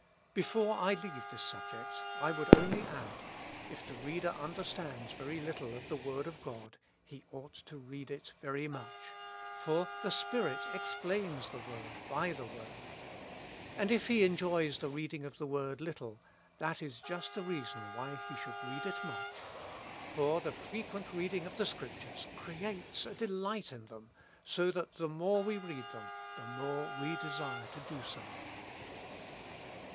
" Before I leave this subject, I would only add : If the reader understands very little of the word of God, he ought to read it very much ; for the Spirit explains the word by the word. And if he enjoys the reading of the word little, that is just the reason why he should read it much ; for the frequent reading of the Scriptures creates a delight in them, so that the more we read them, the more we desire to do so.